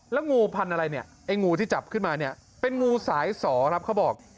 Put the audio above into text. แล้วงูพันธุ์อะไรเนี่ยไอ้งูที่จับขึ้นมาเนี่ยเป็นงูสายสอครับเขาบอก